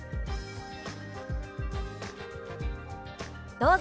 どうぞ。